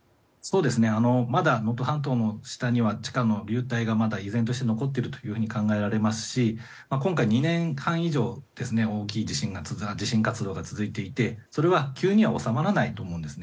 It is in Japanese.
まだ能登半島の下には地下の流体が、依然として残っていると考えられますし今回、２年半以上大きい地震活動が続いていてそれは急には収まらないと思うんです。